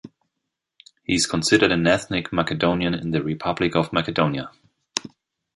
He is considered an ethnic Macedonian in the Republic of Macedonia.